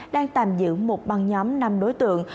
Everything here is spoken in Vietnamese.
đang tạm giữ một băng nhóm năm đối tượng